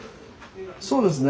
そうですね。